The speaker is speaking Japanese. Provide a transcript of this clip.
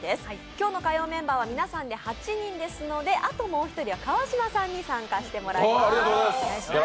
今日の火曜メンバーは皆さんで８人ですのであともう一人は川島さんに参加していただきます。